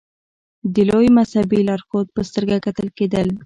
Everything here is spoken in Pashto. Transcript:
د لوی مذهبي لارښود په سترګه کتل کېدل.